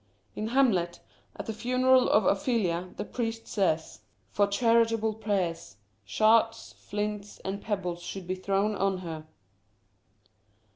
In Hamlet, at the funeral of Ophelia, the priest says — For charitable prayers, Shards, flints, and pebbles should be thrown on her.